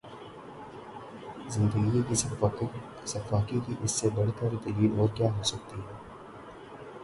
زندگی کی سفاکی کی اس سے بڑھ کر دلیل اور کیا ہوسکتی ہے